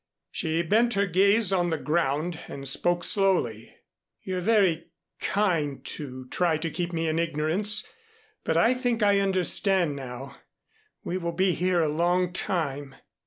She bent her gaze on the ground, and spoke slowly. "You're very kind to try to keep me in ignorance, but I think I understand now. We will be here a long time."